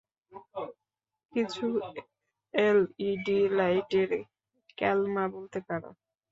কিছু এলইডি লাইটের ক্যালমা বলতে পারো।